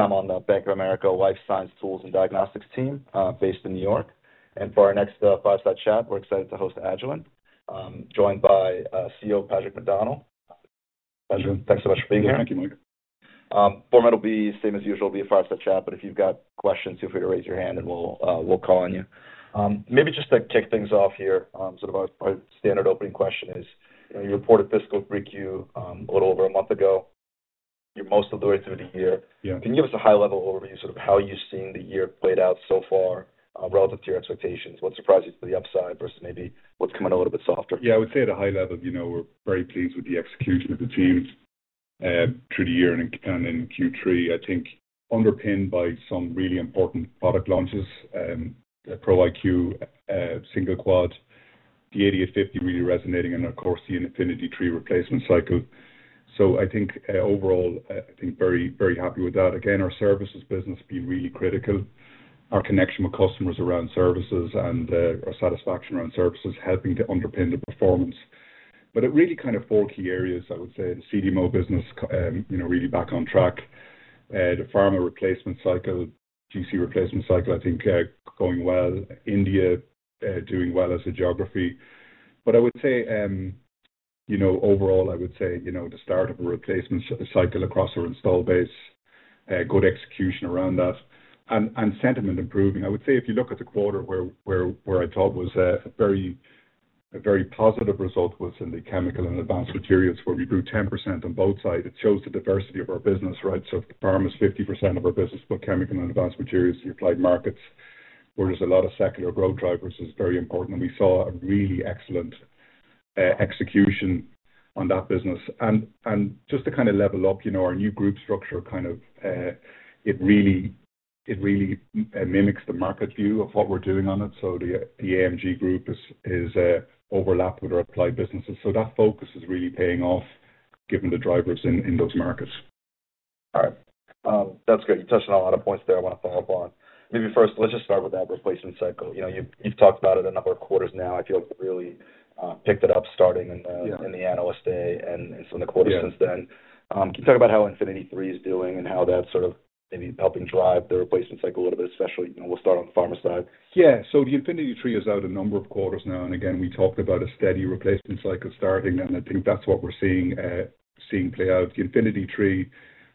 I'm on the Bank of America Life Science Tools and Diagnostics Team, based in New York. For our next FastThatChat, we're excited to host Agilent, joined by CEO Padraig McDonnell. Agilent, thanks so much for being here. Thank you, Mike. Format will be the same as usual. It'll be a FastThatChat, but if you've got questions, feel free to raise your hand and we'll call on you. Maybe just to kick things off here, sort of our standard opening question is, you know, you reported fiscal reQ a little over a month ago. You're mostly doing it through the year. You know, can you give us a high-level overview of sort of how you've seen the year played out so far, relative to your expectations? What surprised you for the upside versus maybe what's coming a little bit softer? Yeah, I would say at a high level, you know, we're very pleased with the execution of the team through the year and independent Q3, I think underpinned by some really important product launches, the Pro iQ, single quad, the 8850 GC really resonating, and of course the InfinityLab replacement cycle. I think, overall, I think very, very happy with that. Again, our services business has been really critical. Our connection with customers around services and our satisfaction around services helping to underpin the performance. It really kind of four key areas, I would say the CDMO business, you know, really back on track. The Pharma replacement cycle, GC replacement cycle, I think, going well. India, doing well as a geography. I would say, you know, overall, I would say, you know, the start of a replacement cycle across our install base, good execution around that, and sentiment improving. I would say if you look at the quarter where I thought was a very, a very positive result was in the chemical and advanced materials. When you grew 10% on both sides, it shows the diversity of our business, right? The Pharma is 50% of our business, but chemical and advanced materials, the applied markets, where there's a lot of secular growth drivers, is very important. We saw a really excellent execution on that business. Just to kind of level up, you know, our new group structure kind of, it really, it really mimics the market view of what we're doing on it. The AMG group is overlapped with our applied businesses. That focus is really paying off given the drivers in those markets. All right, that's great. You touched on a lot of points there. I want to follow up on. Maybe first, let's just start with that replacement cycle. You know, you've talked about it a number of quarters now. I feel it really picked it up starting in the analyst day and some of the quarters since then. Can you talk about how InfinityLab LC Series Portfolio is doing and how that's sort of maybe helping drive the replacement cycle a little bit, especially, you know, we'll start on the Pharma side. Yeah, so the InfinityLab LC Series Portfolio is out a number of quarters now, and again, we talked about a steady replacement cycle starting, and I think that's what we're seeing play out. The InfinityLab LC Series Portfolio,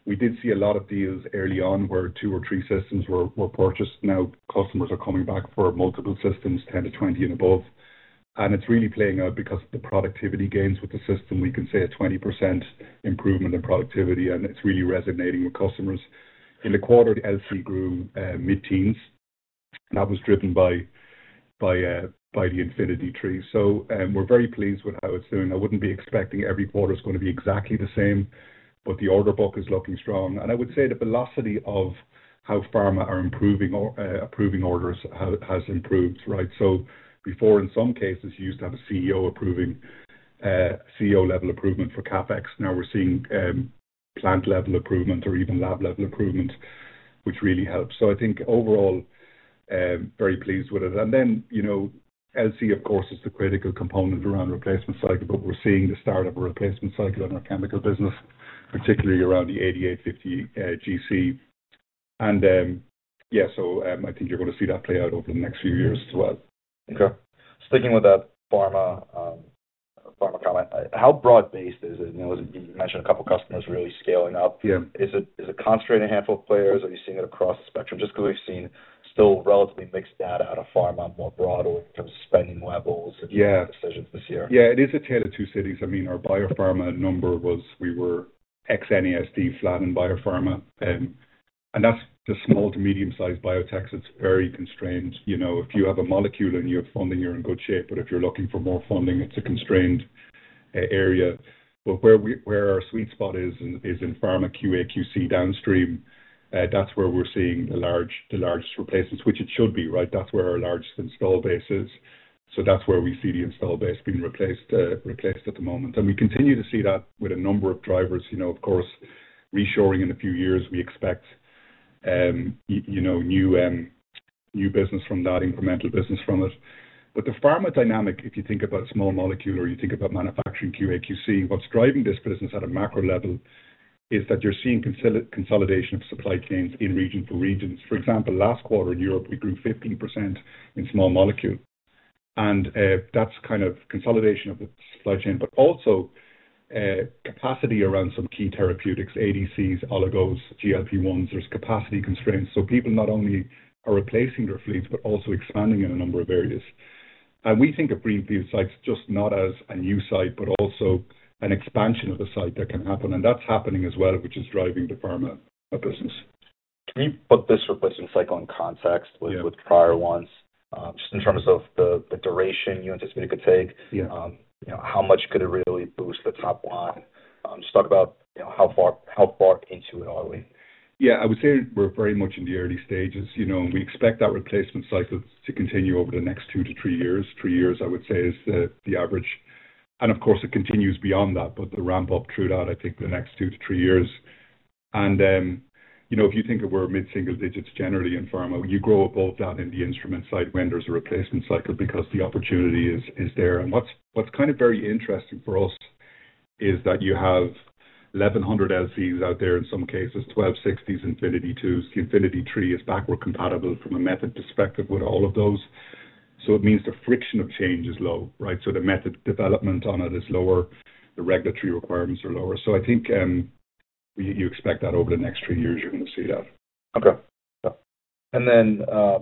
we did see a lot of deals early on where two or three systems were purchased. Now customers are coming back for multiple systems, 10 to 20 and above. It's really playing out because of the productivity gains with the system. We can say a 20% improvement in productivity, and it's really resonating with customers. In the quarter, the LC grew mid-teens. That was driven by the InfinityLab LC Series Portfolio. We're very pleased with how it's doing. I wouldn't be expecting every quarter is going to be exactly the same, but the order book is looking strong. I would say the velocity of how Pharma are approving orders has improved, right? Before, in some cases, you used to have a CEO approving, CEO level approval for CapEx. Now we're seeing plant level approval or even lab level approval, which really helps. I think overall, very pleased with it. LC, of course, is the critical component around the replacement cycle, but we're seeing the start of a replacement cycle in our chemical business, particularly around the 8850 GC. I think you're going to see that play out over the next few years as well. Okay. Sticking with that Pharma comment, how broad based is it? You mentioned a couple of customers really scaling up. Is it concentrating on a handful of players? Are you seeing it across the spectrum? Just because we've seen still relatively mixed data out of Pharma more broadly in terms of spending levels and decisions this year. Yeah, it is a tiered to two cities. I mean, our biopharma number was, we were ex-NASD flat in biopharma. And that's the small to medium sized biotech. It's very constrained. You know, if you have a molecule and you have funding, you're in good shape, but if you're looking for more funding, it's a constrained area. Where our sweet spot is, is in Pharma QA QC downstream. That's where we're seeing the largest replacements, which it should be, right? That's where our largest install base is. That's where we see the install base being replaced at the moment. We continue to see that with a number of drivers, you know, of course, reshoring in a few years. We expect new business from that, incremental business from it. The pharma dynamic, if you think about small molecule or you think about manufacturing QA QC, what's driving this business at a macro level is that you're seeing consolidation of supply chains in region to regions. For example, last quarter in Europe, we grew 15% in small molecule. That's kind of consolidation of the supply chain, but also capacity around some key therapeutics, ADCs, oligos, GLP1s. There's capacity constraints. People not only are replacing their fleets, but also expanding in a number of areas. We think of Greenfield sites just not as a new site, but also an expansion of a site that can happen. That's happening as well, which is driving the pharma business. Can you put this replacement cycle in context with prior ones? Just in terms of the duration you anticipated it could take, you know, how much could it really boost the front line? Just talk about how far into it are we? Yeah, I would say we're very much in the early stages, and we expect that replacement cycle to continue over the next two to three years. Three years, I would say, is the average. Of course, it continues beyond that, but the ramp up through that, I think the next two to three years. If you think of where mid-single digits generally in pharma, you go above that in the instrument side when there's a replacement cycle because the opportunity is there. What's kind of very interesting for us is that you have 1,100 LCs out there, in some cases 1260 Infinity II s. The InfinityLab LC Series Portfolio, including the 1260 Infinity III LC, is backward compatible from a method perspective with all of those. It means the friction of change is low, right? The method development on it is lower. The regulatory requirements are lower. I think you expect that over the next three years, you're going to see that. Okay. Yeah.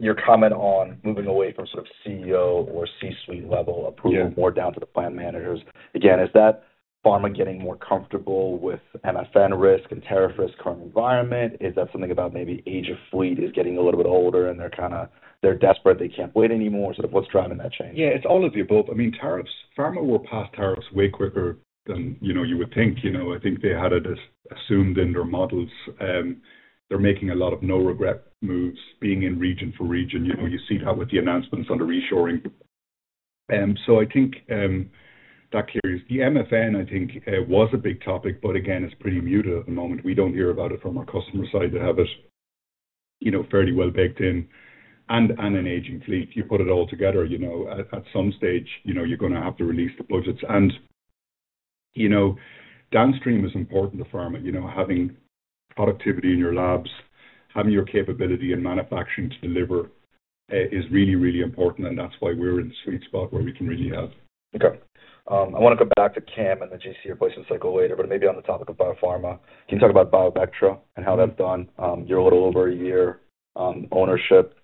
Your comment on moving away from sort of CEO or C-suite level approval, more down to the plant managers, is that pharma getting more comfortable with MFN risk and tariff risk in the current environment? Is that something about maybe age of fleet is getting a little bit older and they're kind of, they're desperate, they can't wait anymore? What's driving that change? Yeah, it's all of the above. I mean, tariffs, pharma will pass tariffs way quicker than you would think. I think they had it assumed in their models. They're making a lot of no regret moves, being in region for region. You see that with the announcements on the reshoring. I think that carries. The MFN, I think, was a big topic, but again, it's pretty mute at the moment. We don't hear about it from our customer side to have it fairly well baked in. An aging fleet, you put it all together, at some stage, you're going to have to release the budgets. Downstream is important to pharma, having productivity in your labs, having your capability in manufacturing to deliver, is really, really important. That's why we're in the sweet spot where we can really have. Okay. I want to come back to CAM and the GC replacement cycle later, but maybe on the topic of biopharma, can you talk about BioVectra and how that's done? You're a little over a year, ownership,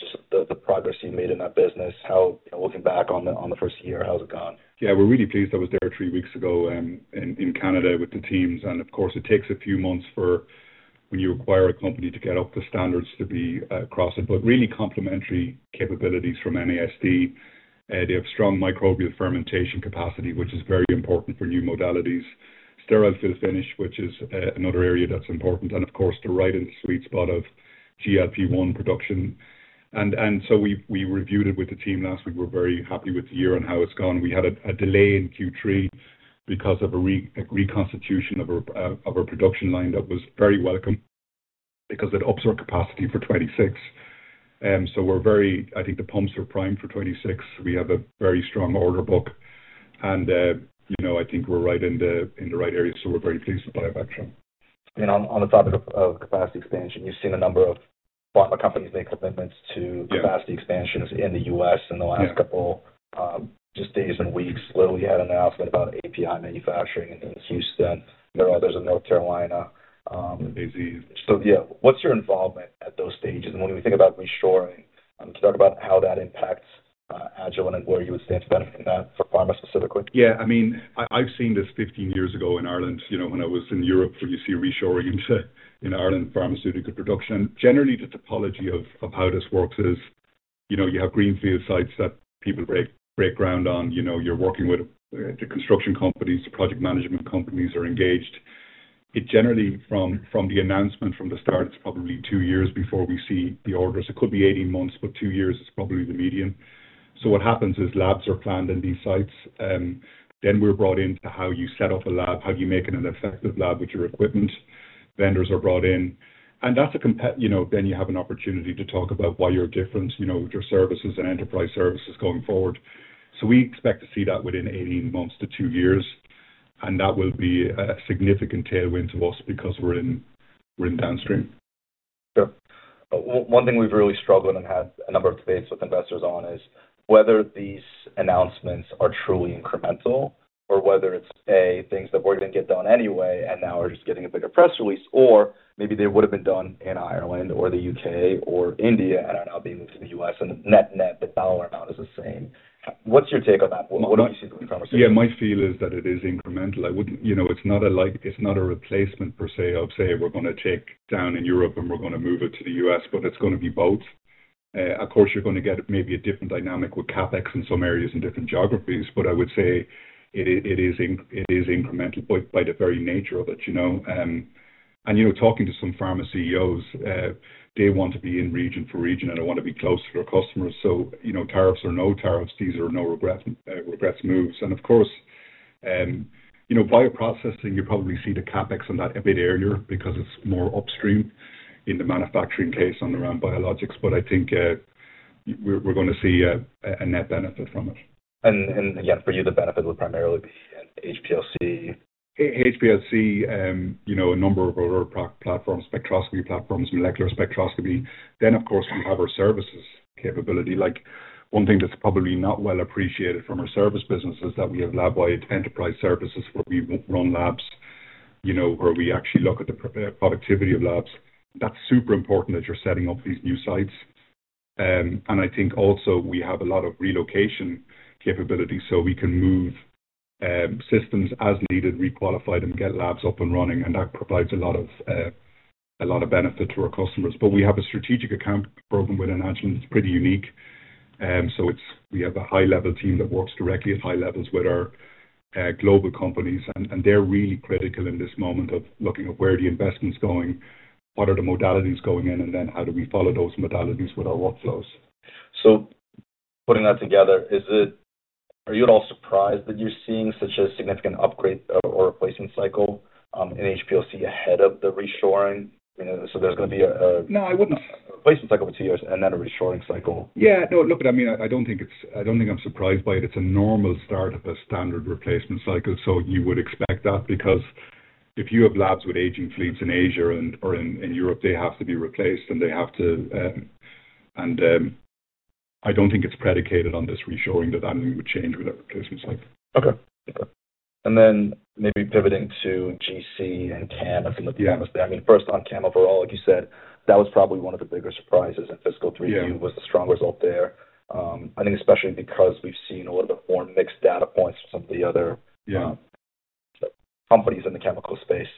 just the progress you made in that business, how, you know, looking back on the first year, how's it gone? Yeah, we're really pleased. I was there three weeks ago, in Canada with the teams. Of course, it takes a few months for when you acquire a company to get up to standards to be across it, but really complementary capabilities from NASD. They have strong microbial fermentation capacity, which is very important for new modalities. Steroids to the finish, which is another area that's important. Of course, they're right in the sweet spot of GLP1 production. We reviewed it with the team last week. We're very happy with the year and how it's gone. We had a delay in Q3 because of a reconstitution of our production line that was very welcome because it ups our capacity for 2026. I think the pumps are prime for 2026. We have a very strong order book. I think we're right in the right area. We're very pleased with BioVectra. On the topic of capacity expansion, you've seen a number of pharma companies make commitments to capacity expansions in the U.S. in the last couple just days and weeks. Little, you had an announcement about API manufacturing in Houston. I know others in North Carolina. What's your involvement at those stages? When we think about reshoring, can you talk about how that impacts Agilent and where you would say it's benefiting that for pharma specifically? Yeah, I mean, I've seen this 15 years ago in Ireland, you know, when I was in Europe, when you see reshoring in Ireland pharmaceutical production. Generally, the topology of how this works is, you have greenfield sites that people break ground on. You're working with the construction companies, the project management companies are engaged. It generally, from the announcement, from the start, it's probably two years before we see the orders. It could be 18 months, but two years is probably the median. What happens is labs are planned in these sites. Then we're brought into how you set up a lab, how do you make it an effective lab with your equipment. Vendors are brought in. That's a competitive, you know, then you have an opportunity to talk about why you're different, you know, with your services and enterprise services going forward. We expect to see that within 18 months to two years. That will be a significant tailwind to us because we're in, we're in downstream. One thing we've really struggled and had a number of debates with investors on is whether these announcements are truly incremental or whether it's things that were going to get done anyway and now are just getting a bigger press release, or maybe they would have been done in Ireland or the UK or India and are now being moved to the US and the net net the dollar amount is the same. What's your take on that? What don't you see? Yeah, my feel is that it is incremental. I wouldn't, you know, it's not like, it's not a replacement per se of say we're going to take down in Europe and we're going to move it to the U.S., but it's going to be both. Of course, you're going to get maybe a different dynamic with CapEx in some areas and different geographies, but I would say it is incremental by the very nature of it, you know. Talking to some pharma CEOs, they want to be in region for region and they want to be close to their customers. Tariffs or no tariffs, these are no regrets moves. Of course, bioprocessing, you probably see the CapEx on that a bit earlier because it's more upstream in the manufacturing case on the round biologics. I think we're going to see a net benefit from it. For you, the benefit would primarily be HPLC. HPLC, you know, a number of other platforms, spectroscopy platforms, molecular spectroscopy. Then, of course, we have our services capability. One thing that's probably not well appreciated from our service business is that we have lab-wide enterprise services where we run labs, you know, where we actually look at the productivity of labs. That's super important when you're setting up these new sites. I think also we have a lot of relocation capabilities so we can move systems as needed, requalify them, get labs up and running. That provides a lot of benefit to our customers. We have a strategic account program with an action that's pretty unique. We have a high-level team that works directly at high levels with our global companies, and they're really critical in this moment of looking at where the investment's going, what are the modalities going in, and then how do we follow those modalities with our workflows. Putting that together, are you at all surprised that you're seeing such a significant upgrade or replacement cycle in HPLC ahead of the reshoring? There's going to be a replacement cycle over two years and then a reshoring cycle. Yeah, no, look, I mean, I don't think I'm surprised by it. It's a normal startup, a standard replacement cycle. You would expect that because if you have labs with aging fleets in Asia or in Europe, they have to be replaced, and I don't think it's predicated on this reshoring that that would change with a replacement cycle. Okay. Maybe pivoting to GC and CAM. If you look at the analyst, first on CAM overall, like you said, that was probably one of the bigger surprises in fiscal three. It was a strong result there. I think especially because we've seen a little bit more mixed data points from some of the other companies in the chemical space.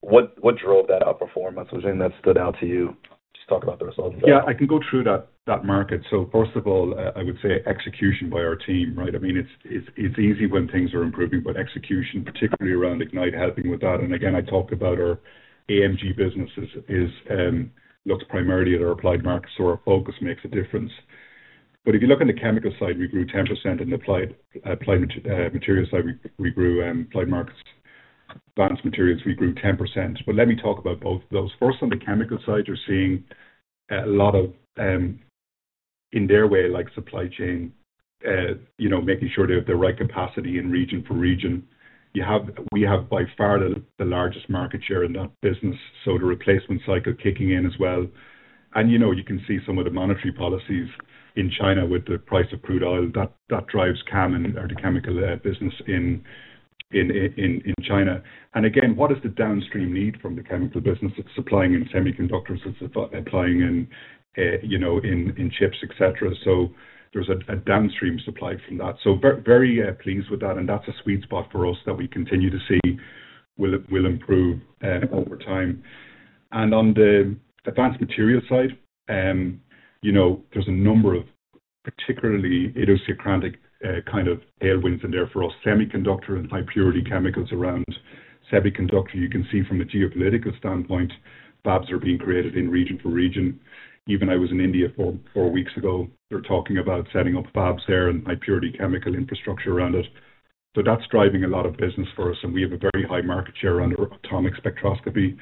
What drove that outperformance? What's the thing that stood out to you? Just talk about the result. Yeah, I can go through that market. First of all, I would say execution by our team, right? I mean, it's easy when things are improving, but execution, particularly around Ignite, helping with that. I talked about our AMG businesses, looks primarily at our applied markets, so our focus makes a difference. If you look on the chemical side, we grew 10% in the applied materials side, we grew, and applied markets, advanced materials, we grew 10%. Let me talk about both of those. First, on the chemical side, you're seeing a lot of, in their way, like supply chain, making sure they have the right capacity in region for region. We have by far the largest market share in that business. The replacement cycle kicking in as well. You can see some of the monetary policies in China with the price of crude oil that drives CAM and our chemical business in China. What is the downstream need from the chemical business supplying in semiconductors? It's supplying in chips, et cetera. There's a downstream supply from that. Very, very pleased with that. That's a sweet spot for us that we continue to see will improve over time. On the advanced materials side, there's a number of particularly idiosyncratic kind of tailwinds in there for us. Semiconductor and high-purity chemicals around semiconductor, you can see from a geopolitical standpoint, fabs are being created in region for region. Even I was in India four weeks ago. They're talking about setting up fabs there and high-purity chemical infrastructure around it. That's driving a lot of business for us. We have a very high market share under our atomic spectroscopy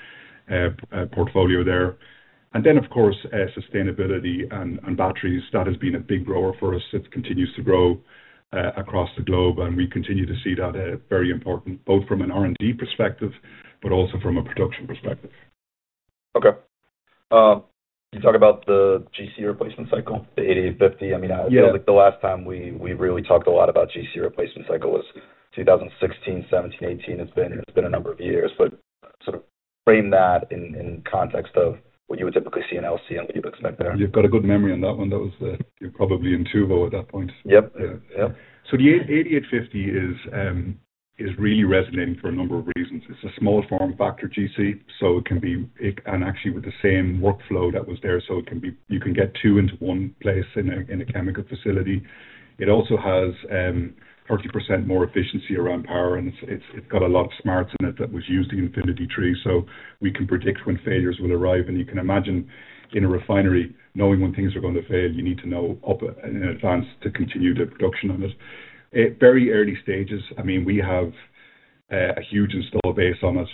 portfolio there. Of course, sustainability and batteries, that has been a big grower for us. It continues to grow across the globe. We continue to see that very important, both from an R&D perspective, but also from a production perspective. Okay. You talk about the GC replacement cycle, the 8850 GC. I mean, I feel like the last time we really talked a lot about GC replacement cycle was 2016, 2017, 2018. It's been a number of years, but sort of frame that in context of what you would typically see in LC and what you'd expect there. You've got a good memory on that one. That was the, you're probably in two vote at that point. Yep. Yeah. The 8850 GC is really resonating for a number of reasons. It's a smaller form factor GC, so it can be, and actually with the same workflow that was there, so it can be, you can get two into one place in a chemical facility. It also has 30% more efficiency around power, and it's got a lot of smarts in it that was used in InfinityLab. We can predict when failures will arrive, and you can imagine in a refinery, knowing when things are going to fail, you need to know in advance to continue the production on it. Very early stages. I mean, we have a huge install base on it.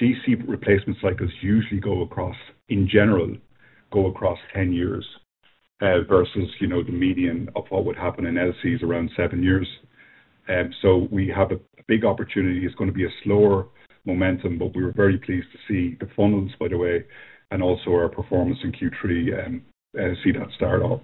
GC replacement cycles usually go across, in general, go across 10 years, versus, you know, the median of what would happen in LC is around seven years. We have a big opportunity. It's going to be a slower momentum, but we were very pleased to see the funnels, by the way, and also our performance in Q3, see that start off.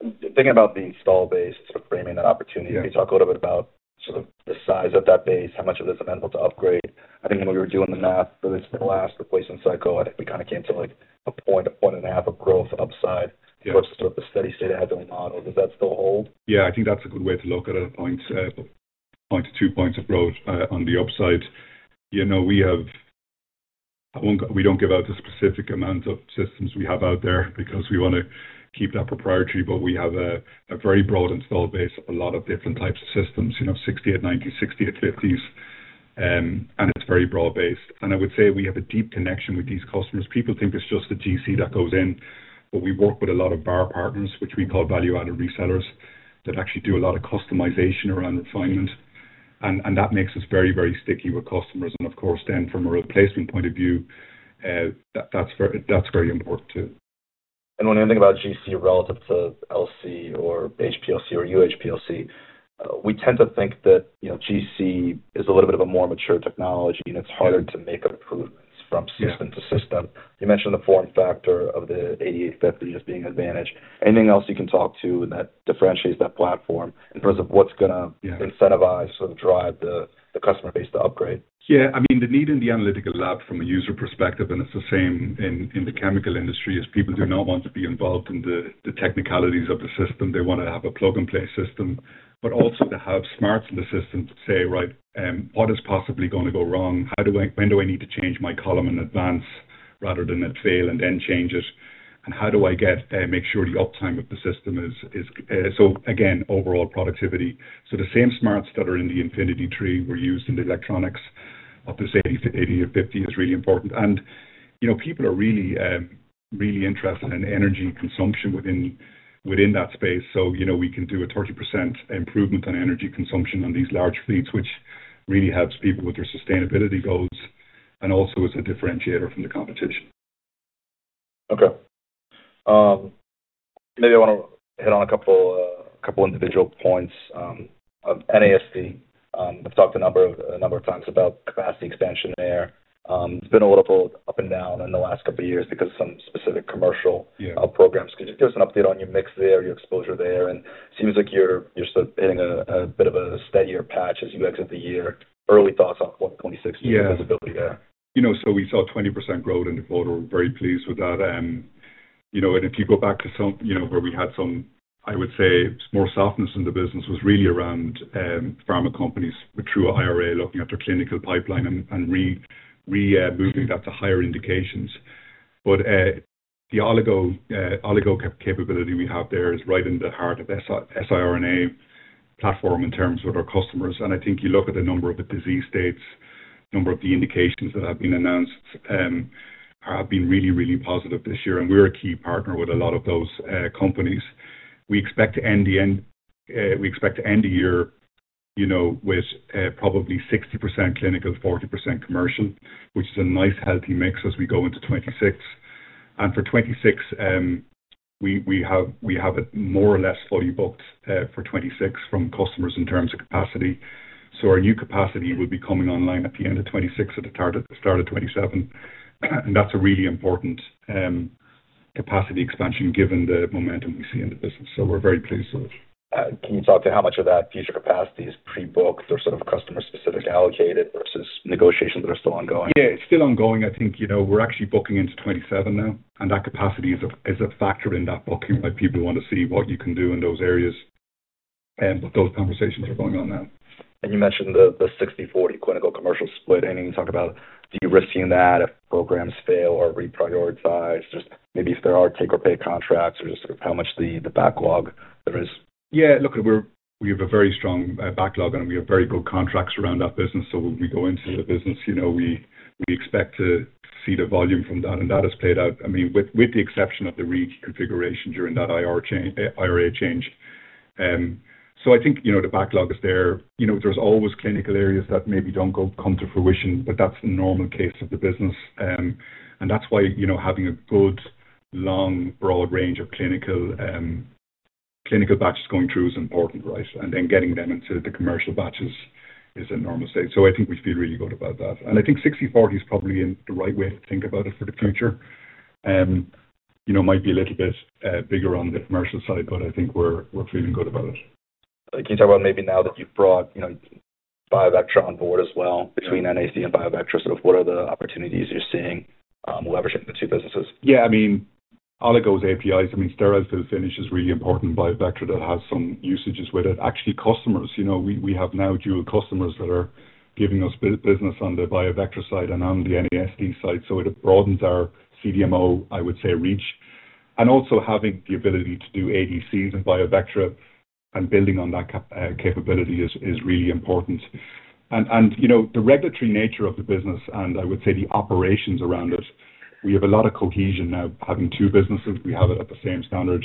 Thinking about the install base, sort of framing that opportunity, can you talk a little bit about the size of that base, how much of this amounts to upgrade? I think when we were doing the math, the last replacement cycle, I think we kind of came to like a point, a point and a half of growth upside. Yeah. What's the steady state Agilent model? Does that still hold? Yeah, I think that's a good way to look at it at points, point to two points of growth, on the upside. We have, I won't, we don't give out a specific amount of systems we have out there because we want to keep that proprietary, but we have a very broad install base, a lot of different types of systems, you know, 6890, 6850s, and it's very broad based. I would say we have a deep connection with these customers. People think it's just the GC that goes in, but we work with a lot of bar partners, which we call value-added resellers that actually do a lot of customization around refinement. That makes us very, very sticky with customers. Of course, then from a replacement point of view, that's very, that's very important too. When you think about GC relative to LC or HPLC or UHPLC, we tend to think that, you know, GC is a little bit of a more mature technology and it's harder to make improvements from system to system. You mentioned the form factor of the 8850 as being an advantage. Anything else you can talk to that differentiates that platform in terms of what's going to incentivize or drive the customer base to upgrade? Yeah, I mean, the need in the analytical lab from a user perspective, and it's the same in the chemical industry as people do not want to be involved in the technicalities of the system. They want to have a plug-and-play system, but also to have smarts in the system to say, right, what is possibly going to go wrong? When do I need to change my column in advance rather than it fail and then change it? How do I get and make sure the uptime of the system is, is, so again, overall productivity. The same smarts that are in the InfinityLab were used in the electronics of this 8850 GC, which is really important. People are really, really interested in energy consumption within that space. We can do a 30% improvement on energy consumption on these large fleets, which really helps people with their sustainability goals and also as a differentiator from the competition. Okay. Maybe I want to hit on a couple of individual points. NASD. We've talked a number of times about capacity expansion there. It's been a little up and down in the last couple of years because of some specific commercial programs. Could you give us an update on your mix there, your exposure there? It seems like you're sort of hitting a bit of a steadier patch as you look at the year. Early thoughts on what 26% visibility there. We saw 20% growth in the quarter. We're very pleased with that. If you go back to where we had more softness in the business, it was really around pharma companies with true IRA looking at their clinical pipeline and moving that to higher indications. The oligo capability we have there is right in the heart of SIRNA platform in terms with our customers. I think you look at the number of the disease states, number of the indications that have been announced, have been really, really positive this year. We're a key partner with a lot of those companies. We expect to end the year with probably 60% clinical, 40% commercial, which is a nice healthy mix as we go into 2026. For 2026, we have more or less fully booked from customers in terms of capacity. Our new capacity will be coming online at the end of 2026 at the start of 2027. That's a really important capacity expansion given the momentum we see in the business. We're very pleased with it. Can you talk to how much of that future capacity is pre-booked or sort of customer specific allocated versus negotiations that are still ongoing? Yeah, it's still ongoing. I think we're actually booking into 2027 now, and that capacity is a factor in that booking where people want to see what you can do in those areas. Those conversations are going on now. You mentioned the 60-40 clinical commercial split. Is there anything to talk about? Do you risk seeing that if programs fail or reprioritize? Maybe if there are take or pay contracts, or just how much the backlog there is? Yeah, look, we have a very strong backlog, and we have very good contracts around that business. When we go into the business, we expect to see the volume from that, and that has played out. I mean, with the exception of the reconfiguration during that IRA change. I think the backlog is there. There's always clinical areas that maybe don't come to fruition, but that's the normal case of the business. That's why having a good, long, broad range of clinical batches going through is important, right? Getting them into the commercial batches is a normal state. I think we should be really good about that, and I think 60-40 is probably the right way to think about it for the future. It might be a little bit bigger on the commercial side, but I think we're feeling good about it. Can you talk about maybe now that you've brought BioVectra on board as well, between NASD and BioVectra, what are the opportunities you're seeing leveraging the two businesses? Yeah, I mean, oligos APIs, I mean, steroids to the finish is really important. BioVectra, that has some usages with it. Actually, customers, you know, we have now dual customers that are giving us business on the BioVectra side and on the NASD side. It broadens our CDMO, I would say, reach. Also, having the ability to do ADCs and BioVectra and building on that capability is really important. You know, the regulatory nature of the business and I would say the operations around it, we have a lot of cohesion now having two businesses. We have it at the same standard,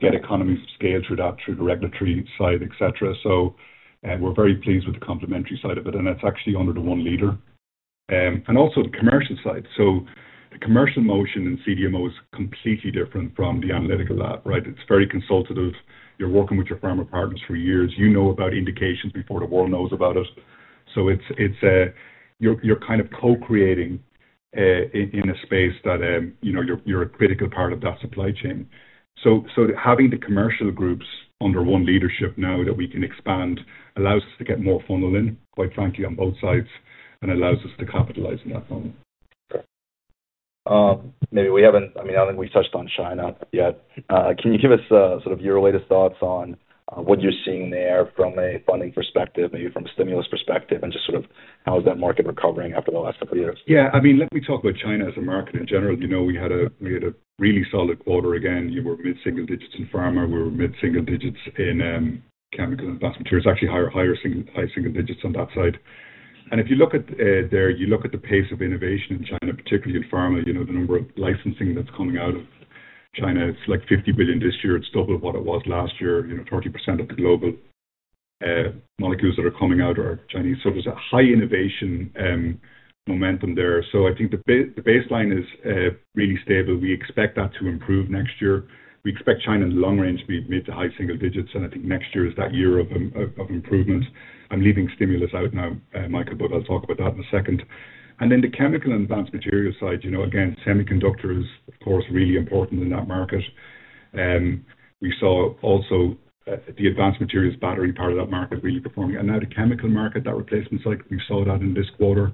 get economies of scale through that, through the regulatory side, etc. We're very pleased with the complementary side of it. It's actually under the one leader, and also the commercial side. The commercial motion in CDMO is completely different from the analytical lab, right? It's very consultative. You're working with your pharma partners for years. You know about indications before the world knows about it. You're kind of co-creating in a space that, you know, you're a critical part of that supply chain. Having the commercial groups under one leadership now that we can expand allows us to get more funnel in, quite frankly, on both sides and allows us to capitalize on that funnel. I don't think we've touched on China yet. Can you give us your latest thoughts on what you're seeing there from a funding perspective, maybe from a stimulus perspective, and just how is that market recovering after the last couple of years? Yeah, I mean, let me talk about China as a market in general. We had a really solid quarter again. We were mid-single digits in pharma. We were mid-single digits in chemical and advanced materials, actually higher single digits on that side. If you look at the pace of innovation in China, particularly in pharma, the number of licensing that's coming out of China, it's like $50 billion this year. It's double what it was last year. 30% of the global molecules that are coming out are Chinese. There's a high innovation momentum there. I think the baseline is really stable. We expect that to improve next year. We expect China in the long range to be mid to high single digits. I think next year is that year of improvement. I'm leaving stimulus out now, Michael, but I'll talk about that in a second. On the chemical and advanced materials side, semiconductors, of course, are really important in that market. We saw also the advanced materials battery part of that market really performing. The chemical market, that replacement cycle, we saw that in this quarter.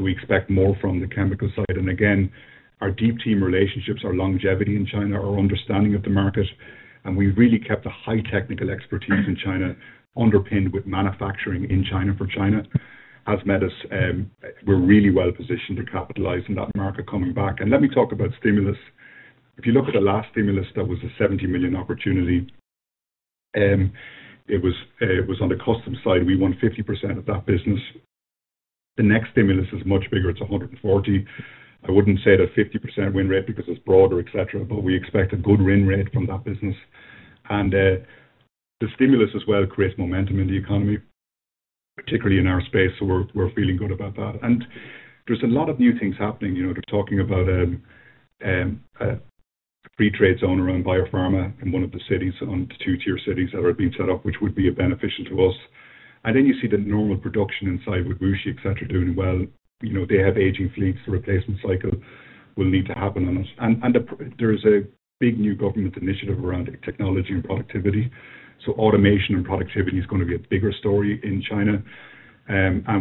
We expect more from the chemical side. Our deep team relationships, our longevity in China, our understanding of the market, and we really kept a high technical expertise in China, underpinned with manufacturing in China for China, has met us. We're really well positioned to capitalize in that market coming back. Let me talk about stimulus. If you look at the last stimulus, that was a $70 million opportunity. It was on the custom side. We won 50% of that business. The next stimulus is much bigger. It's $140 million. I wouldn't say that 50% win rate because it's broader, et cetera, but we expect a good win rate from that business. The stimulus as well creates momentum in the economy, particularly in our space. We're feeling good about that. There's a lot of new things happening. They're talking about a pre-trade zone around biopharma in one of the cities, on two-tier cities that are being set up, which would be beneficial to us. You see the normal production inside with Wuxi, et cetera, doing well. They have aging fleets. The replacement cycle will need to happen on it. There's a big new government initiative around technology and productivity. Automation and productivity is going to be a bigger story in China.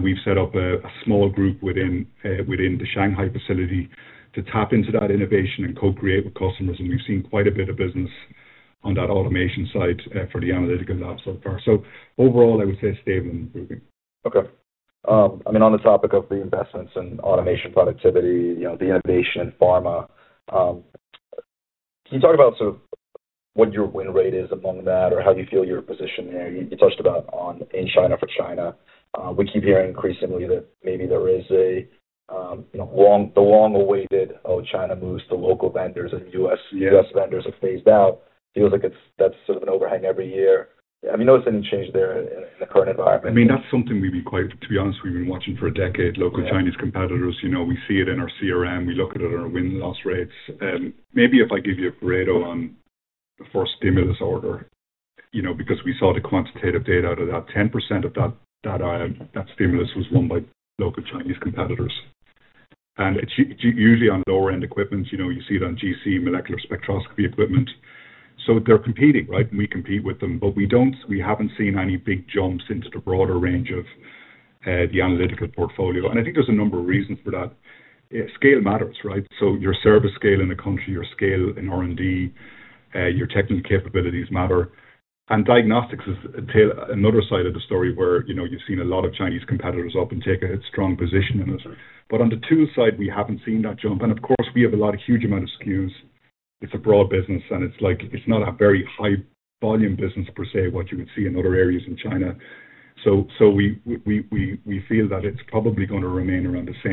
We've set up a small group within the Shanghai facility to tap into that innovation and co-create with customers. We've seen quite a bit of business on that automation side for the analytical labs so far. Overall, I would say stable and improving. Okay. On the topic of the investments in automation, productivity, the innovation in pharma, can you talk about what your win rate is among that or how you feel your position there? You touched on Asia and China. We keep hearing increasingly that maybe there is a long, the long awaited move of China to local vendors and U.S. vendors have phased out. It feels like that's sort of an overhang every year. Have you noticed any change there in the current environment? I mean, that's something we've been quite, to be honest, we've been watching for a decade, local Chinese competitors. You know, we see it in our CRM. We look at it in our win-loss rates. Maybe if I give you a Pareto on the first stimulus order, you know, because we saw the quantitative data that 10% of that stimulus was run by local Chinese competitors. It's usually on lower-end equipment. You know, you see it on GC, molecular spectroscopy equipment. They're competing, right? We compete with them, but we haven't seen any big jumps into the broader range of the analytical portfolio. I think there's a number of reasons for that. Scale matters, right? Your service scale in the country, your scale in R&D, your technical capabilities matter. Diagnostics is another side of the story where you've seen a lot of Chinese competitors up and take a strong position in it. On the tool side, we haven't seen that jump. We have a huge amount of SKUs. It's a broad business and it's not a very high volume business per se, what you would see in other areas in China. We feel that it's probably going to remain around the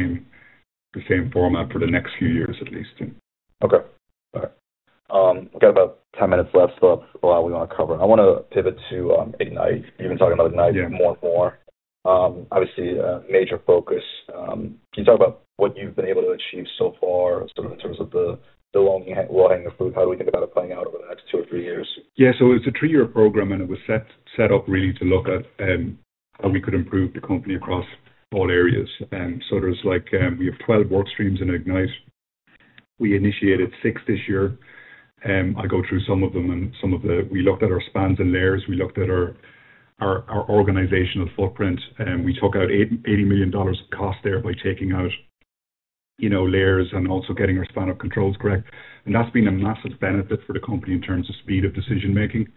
same format for the next few years at least. Okay. All right. We've got about 10 minutes left, but a lot we want to cover. I want to pivot to Ignite. You've been talking about Ignite more and more. Obviously, a major focus. Can you talk about what you've been able to achieve so far, sort of in terms of the long-haul loading of food, how do we think about it playing out over the next two or three years? Yeah, so it's a three-year program and it was set up really to look at how we could improve the company across all areas. We have 12 workstreams in Ignite. We initiated six this year. I’ll go through some of them. We looked at our spans and layers. We looked at our organizational footprint. We took out $80 million of cost there by taking out layers and also getting our span of controls correct. That's been a massive benefit for the company in terms of speed of decision making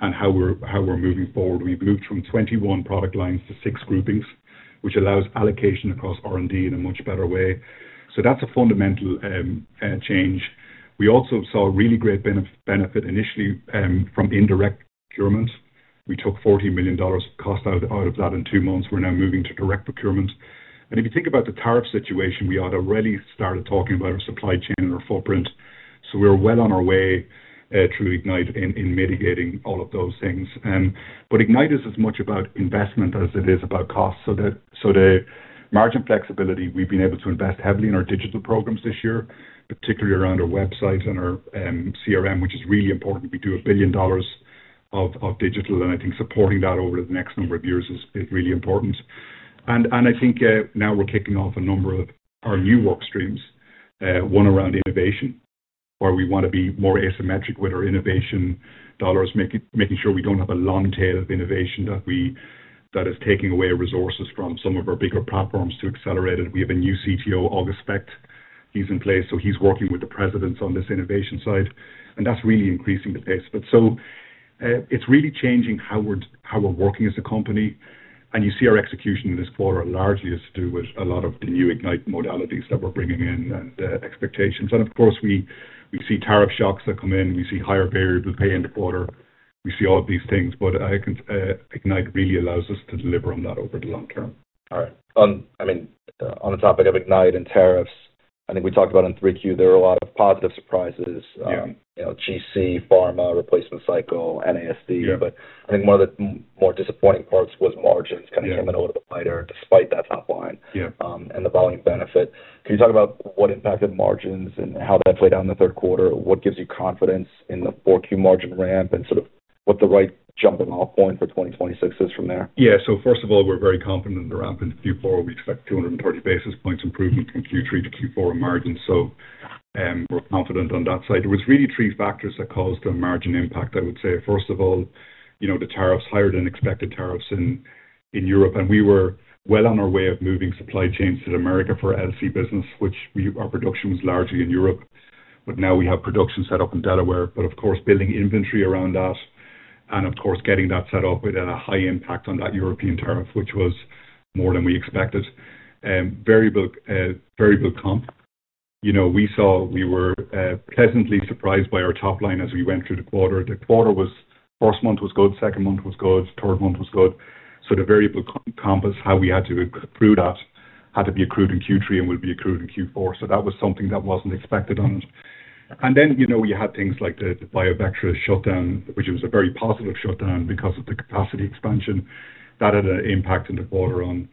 and how we're moving forward. We've moved from 21 product lines to six groupings, which allows allocation across R&D in a much better way. That's a fundamental change. We also saw really great benefit initially from indirect procurement. We took $40 million of cost out of that in two months. We're now moving to direct procurement. If you think about the tariff situation, we had already started talking about our supply chain and our footprint. We're well on our way through Ignite in mitigating all of those things. Ignite is as much about investment as it is about cost. The margin flexibility, we've been able to invest heavily in our digital programs this year, particularly around our website and our CRM, which is really important. We do a billion dollars of digital, and I think supporting that over the next number of years is really important. I think now we're kicking off a number of our new workstreams, one around innovation, where we want to be more asymmetric with our innovation dollars, making sure we don't have a long tail of innovation that is taking away resources from some of our bigger platforms to accelerate it. We have a new CTO, August Spect, he's in place. He's working with the presidents on this innovation side. That's really increasing the pace. It's really changing how we're working as a company. You see our execution in this quarter largely has to do with a lot of the new Ignite modalities that we're bringing in and the expectations. Of course, we see tariff shocks that come in. We see higher variable pay in the quarter. We see all of these things. I think Ignite really allows us to deliver on that over the long term. All right. On the topic of Ignite and tariffs, I think we talked about in 3Q, there were a lot of positive surprises. Yeah, you know, GC, pharma, replacement cycle, NASD. I think one of the more disappointing parts was margins kind of came in a little bit lighter despite that top line, and the volume benefit. Can you talk about what impacted margins and how that played out in the third quarter? What gives you confidence in the 4Q margin ramp and sort of what the right jumping off point for 2026 is from there? Yeah, so first of all, we're very confident in the ramp in Q4. We expect 230 basis points improvement in Q3 to Q4 margins. We're confident on that side. It was really three factors that caused the margin impact, I would say. First of all, the tariffs are higher than expected tariffs in Europe. We were well on our way of moving supply chains to America for LC business, which our production was largely in Europe. Now we have production set up in Delaware. Of course, building inventory around that and getting that set up with a high impact on that European tariff, which was more than we expected. Variable comp. We saw we were pleasantly surprised by our top line as we went through the quarter. The quarter was, first month was good, second month was good, third month was good. The variable comp is how we had to accrue that, had to be accrued in Q3 and would be accrued in Q4. That was something that wasn't expected on it. Then you had things like the BioVectra shutdown, which was a very positive shutdown because of the capacity expansion. That had an impact in the quarter on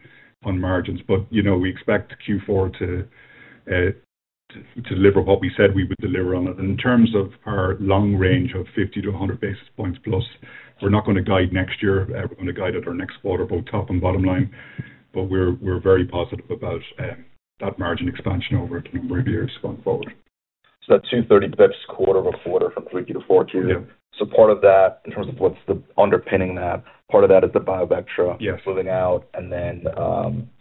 margins. We expect Q4 to deliver what we said we would deliver on it. In terms of our long range of 50 to 100 basis points plus, we're not going to guide next year. We're going to guide at our next quarter, both top and bottom line. We're very positive about that margin expansion over a number of years going forward. That 230 bets quarter to quarter from 3Q to 4Q. Part of that in terms of what's the underpinning is the BioVectra moving out, and then,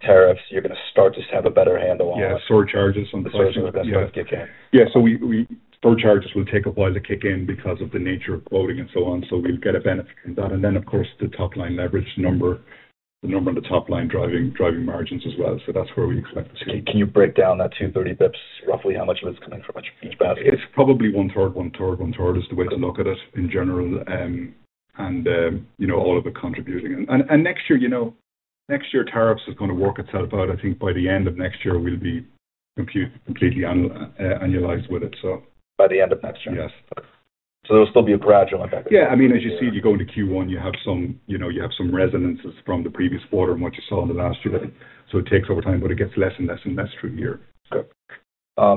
tariffs, you're going to start to have a better handle. Surcharges from the sourcing of the best gets in. Surcharges from take-up lines that kick in because of the nature of quoting and so on. We'll get a benefit from that. Of course, the top line leverage number, the number on the top line driving margins as well. That's where we expect it to be. Can you break down that $230 million? Roughly how much of it is coming from a change? It's probably one third, one third, one third is the way to look at it in general. You know, all of it contributing. Next year, you know, next year tariffs is going to work itself out. I think by the end of next year, we'll be completely annualized with it. By the end of next year. Yes. There'll still be a gradual impact. Yeah, as you see, you go into Q1, you have some resonances from the previous quarter and what you saw in the last year. It takes over time, but it gets less and less and less through the year. Okay.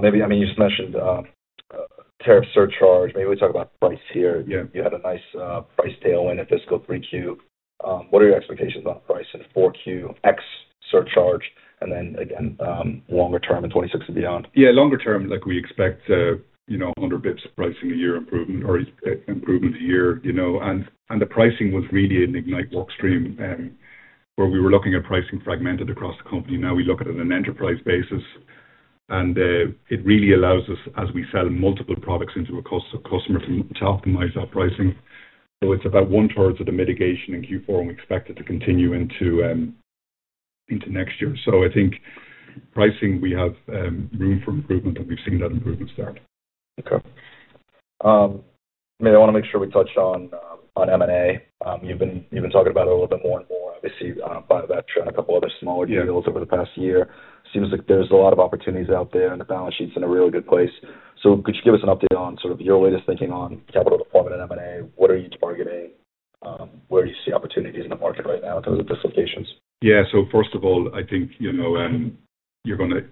Maybe, I mean, you just mentioned tariff surcharge. Maybe we talk about price here. You had a nice price tailwind in fiscal 3Q. What are your expectations about price at 4QX surcharge, and then again, longer term in 2026 and beyond? Yeah, longer term, we expect, you know, 100 bps of pricing a year improvement or improvements a year, you know, and the pricing was really an Ignite workstream, where we were looking at pricing fragmented across the company. Now we look at it on an enterprise basis. It really allows us, as we sell multiple products into a customer, to optimize that pricing. It's about one third of the mitigation in Q4 and we expect it to continue into next year. I think pricing, we have room for improvement and we've seen that improvement start. Okay. I want to make sure we touch on M&A. You've been talking about it a little bit more and more, obviously, BioVectra and a couple of other smaller deals over the past year. It seems like there's a lot of opportunities out there and the balance sheet's in a really good place. Could you give us an update on sort of your latest thinking on capital deployment and M&A? What are you targeting? Where do you see opportunities in the market right now in terms of facilitations? Yeah, so first of all, I think, you know, you're going to,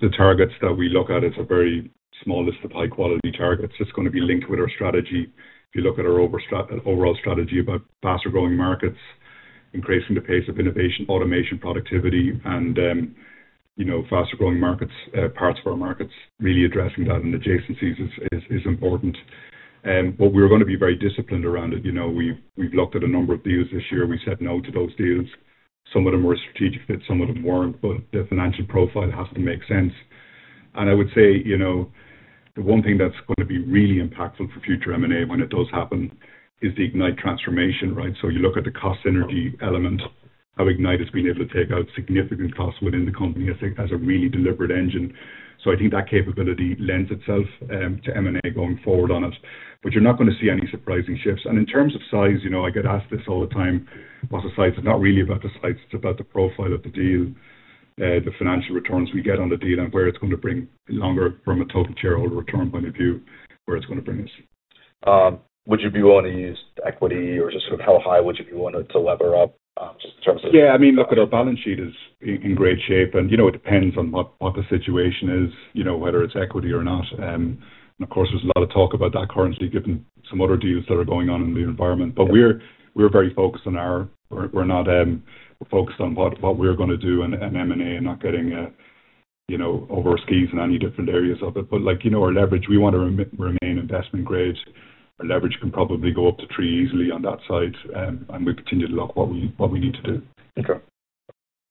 the targets that we look at, it's a very small list of high-quality targets. It's going to be linked with our strategy. If you look at our overall strategy about faster growing markets, increasing the pace of innovation, automation, productivity, and, you know, faster growing markets, parts of our markets, really addressing that and adjacencies is important. We're going to be very disciplined around it. You know, we've looked at a number of deals this year. We said no to those deals. Some of them were strategic fits, some of them weren't, but the financial profile has to make sense. I would say, you know, the one thing that's going to be really impactful for future M&A when it does happen is the Ignite transformation, right? You look at the cost synergy element of Ignite, has been able to take out significant costs within the company as a really deliberate engine. I think that capability lends itself to M&A going forward on it. You're not going to see any surprising shifts. In terms of size, you know, I get asked this all the time, what's the size? It's not really about the size, it's about the profile of the deal, the financial returns we get on the deal and where it's going to bring longer from a total shareholder return point of view, where it's going to bring us. Would you be willing to use equity, or just how high would you be willing to lever up, just in terms of? Yeah, I mean, look, our balance sheet is in great shape and, you know, it depends on what the situation is, you know, whether it's equity or not. Of course, there's a lot of talk about that currently given some other deals that are going on in the environment, but we're very focused on our, we're not focused on what we're going to do in M&A and not getting over our skis in any different areas of it. Like, you know, our leverage, we want to remain investment-grade. Our leverage can probably go up to 3 easily on that side, and we continue to look at what we need to do. Okay.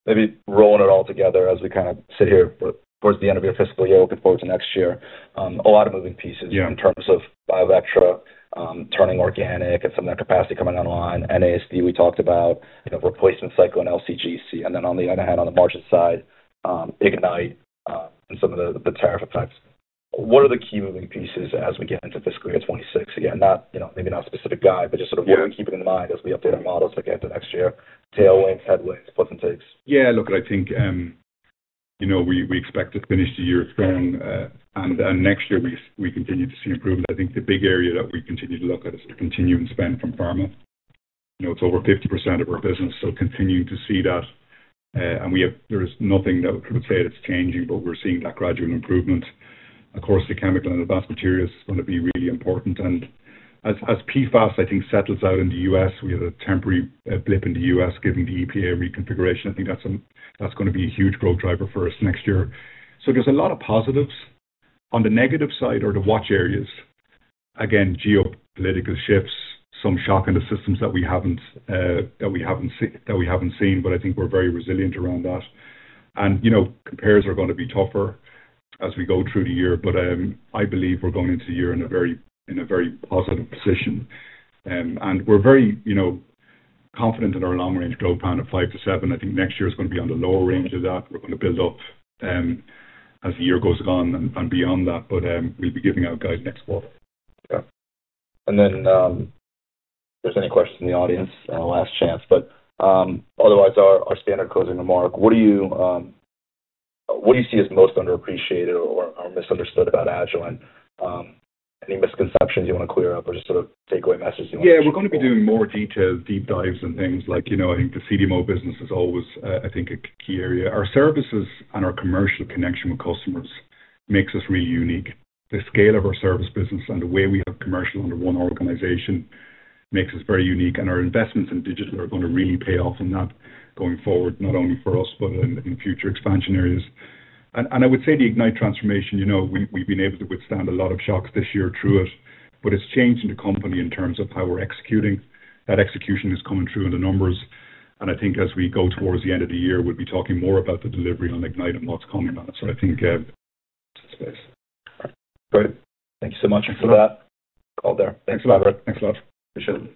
Maybe rolling it all together as we kind of sit here, but towards the end of your fiscal year, looking forward to next year, a lot of moving pieces in terms of BioVectra, turning organic, and some of that capacity coming online. NASD we talked about, you know, replacement cycle and LCGC. On the other hand, on the margin side, Ignite, and some of the tariff effects. What are the key moving pieces as we get into fiscal year 2026? Again, maybe not a specific guide, but just sort of what we keep in mind as we update our models to get to next year. Tailwind, headwinds, puts and takes. Yeah, look, I think, you know, we expect to finish the year strong, and next year we continue to see improvements. I think the big area that we continue to look at is the continuing spend from pharma. You know, it's over 50% of our business, so continuing to see that. There is nothing that I would say that's changing, but we're seeing that gradual improvement. Of course, the chemical and advanced materials are going to be really important. As PFAS, I think, settles out in the U.S., we have a temporary blip in the U.S. given the EPA reconfiguration. I think that's going to be a huge growth driver for us next year. There's a lot of positives. On the negative side are the watch areas. Geopolitical shifts, some shock in the systems that we haven't seen, but I think we're very resilient around that. Compares are going to be tougher as we go through the year, but I believe we're going into the year in a very positive position. We're very confident in our long-range growth plan of 5% to 7%. I think next year is going to be on the lower range of that. We're going to build up as the year goes on and beyond that, but we'll be giving out guidance next quarter. Okay. If there's any questions in the audience, this is the last chance. Otherwise, our standard closing remark: what do you see as most underappreciated or misunderstood about Agilent? Any misconceptions you want to clear up or just sort of take away messaging? Yeah, we're going to be doing more detailed deep dives and things like, you know, I think the CDMO business is always, I think, a key area. Our services and our commercial connection with customers makes us really unique. The scale of our service business and the way we have commercial under one organization makes us very unique, and our investments in digital are going to really pay off on that going forward, not only for us, but in future expansion areas. I would say the Ignite transformation, you know, we've been able to withstand a lot of shocks this year through it, but it's changing the company in terms of how we're executing. That execution is coming through in the numbers, and I think as we go towards the end of the year, we'll be talking more about the delivery on Ignite and what's coming out. I think, go ahead. Thank you so much for that. Thanks a lot. Appreciate it.